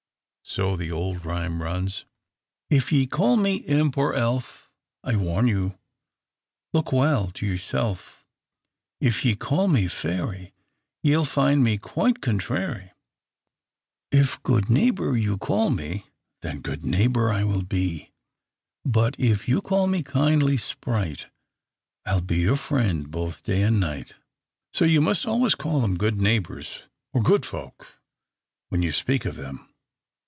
So the old rhyme runs: 'If ye call me imp or elf, . I warn you look well to yourself; If ye call me fairy, Ye 'll find me quite contrary; If good neighbour you call me, Then good neighbour I will be; But if you call me kindly sprite, I 'll be your friend both day and night.' So you must always call them 'good neighbours' or 'good folk,' when you speak of them."